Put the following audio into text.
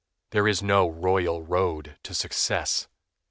There is no royal road to success.